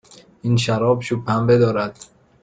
این شراب چوب پنبه دارد.